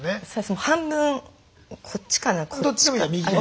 もう半分こっちかなこっちか。